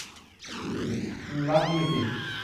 ชำระหนี้สิน